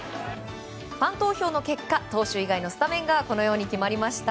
ファン投票の結果、投手以外のスタメンが決まりました。